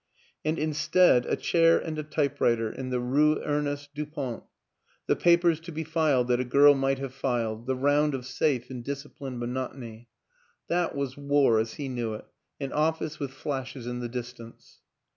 And instead a chair and a type 246 WILLIAM AN ENGLISHMAN writer in the Rue Ernest Dupont, the papers to be filed that a girl might have filed, the round of safe and disciplined monotony. That was war as he knew it: an office with flashes in the distance.